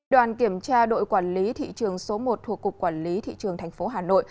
đoàn kiểm tra đội quản lý thị trường số một thuộc cục quản lý thị trường tp hà nội